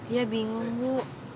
ya bingung bu